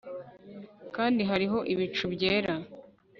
kandi hariho ibicu byera